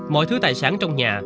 mọi thứ tài sản trong nhà